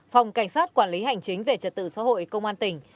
phòng cảnh sát quản lý hành chính về trật tự xã hội công an tỉnh